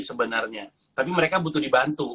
sebenarnya tapi mereka butuh dibantu